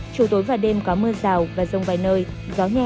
chiều tối và đêm có mưa rào và rông vài nơi gió nhẹ